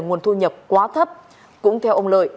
nguồn thu nhập quá thấp cũng theo ông lợi